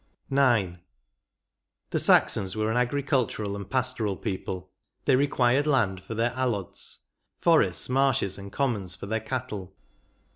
18 IX. " The Saxons were an agricultural and pastoral people ; they required land for their alods — forests, marshes, and commons for their cattle.